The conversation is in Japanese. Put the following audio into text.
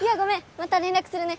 また連絡するね。